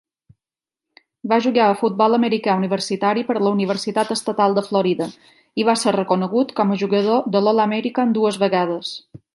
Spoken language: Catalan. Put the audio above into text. Va jugar a futbol americà universitari per la Universitat Estatal de Florida, i va ser reconegut com a jugador de l'All-American dues vegades.